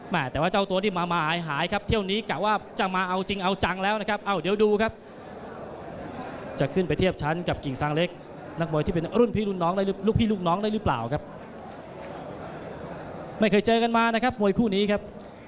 ไม่เคยเจอกันมานะครับมวยคู่นี้ครับ